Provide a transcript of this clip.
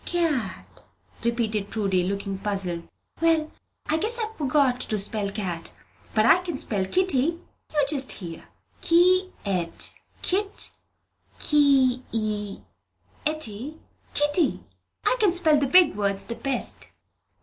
Cat?" repeated Prudy, looking puzzled. "Well, I guess I've forgot how to spell cat. But I can spell Kitty. You just hear! Kee et, kit, kee i etty, kitty! I can spell the big words the best."